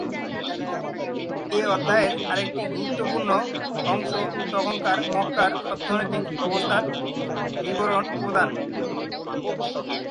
এ অধ্যায়ের আরেকটি গুরুত্বপূর্ণ অংশ তখনকার মক্কার অর্থনৈতিক অবস্থার বিবরণ প্রদান।